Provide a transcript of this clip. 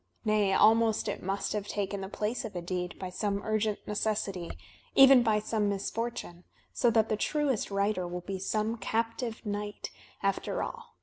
Nay, almost it must have taken the place of a deed by some urgent necessity, even by some misfortune, so that the tmest writer will be some captive knight, after all.